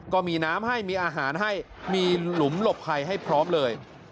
ก็มีน้ำให้มีอาหารให้มีหลุมหลบภัยให้พร้อมเลย